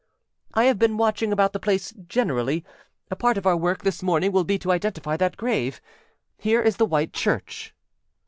âI have been watching about the place generally. A part of our work this morning will be to identify that grave. Here is the White Church.